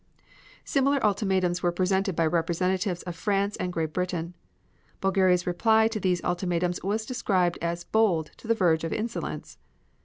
Similar ultimatums were presented by representatives of France and Great Britain. Bulgaria's reply to these ultimatums was described as bold to the verge of insolence.